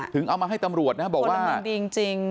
ถึงเอามาให้ตำรวจนะบอกว่ารางวัลดีจริง